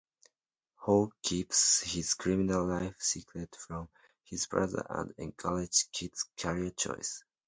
Ho keeps his criminal life secret from his brother and encourages Kit's career choice.